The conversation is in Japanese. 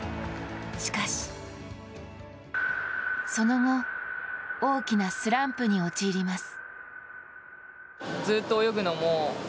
しかしその後、大きなスランプに陥ります。